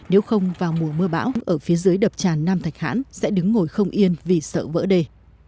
nếu không vào mùa mưa bão ở phía dưới đập tràn nam thạch hãn sẽ đứng ngồi không yên vì sợ vỡ đề